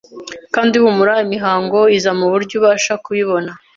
Kandi humura, imihango iza mu buryo ubasha kubibona